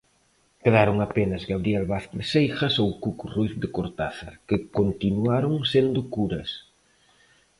Quedaron apenas Gabriel Vázquez Seijas ou Cuco Ruíz de Cortázar, que continuaron sendo curas.